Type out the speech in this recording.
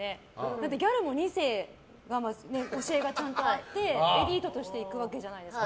だってギャルも２世で教えがちゃんとあってエリートとして行くわけじゃないですか。